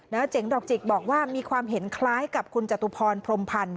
เจ๋งดอกจิกบอกว่ามีความเห็นคล้ายกับคุณจตุพรพรมพันธ์